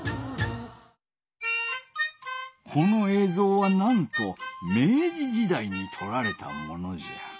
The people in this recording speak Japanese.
このえいぞうはなんと明治時代にとられたものじゃ。